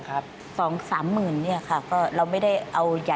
ก็คือเอาไปตัวหน่ะ